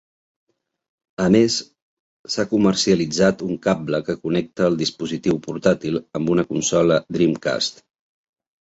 A més, s'ha comercialitzat un cable que connecta el dispositiu portàtil amb una consola Dreamcast.